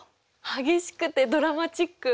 激しくてドラマチック？